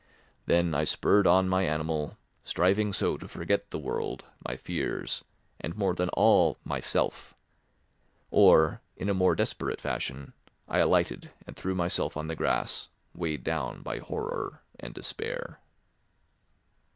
Then I spurred on my animal, striving so to forget the world, my fears, and more than all, myself—or, in a more desperate fashion, I alighted and threw myself on the grass, weighed down by horror and despair.